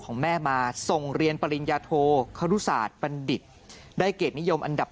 ของแม่มาส่งเรียนปริญญาโทครุศาสตร์บัณฑิตได้เกียรตินิยมอันดับ